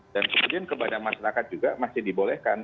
dan kemudian kepada masyarakat juga masih dibolehkan